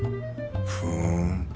ふん。